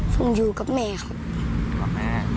ผมอยู่กับแม่ครับ